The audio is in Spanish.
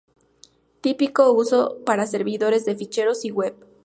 Típico uso para servidores de ficheros y web.